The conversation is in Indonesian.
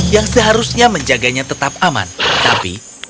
yang seharusnya menjaganya tetap aman tapi